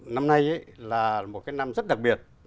năm nay là một cái năm rất đặc biệt